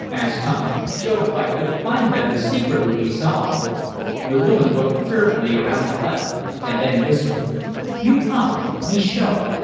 asked Tom. "Jove, if I could find them the secret would be solved!" The woman looked fearfully around the hut and then whispered: "You come me show!"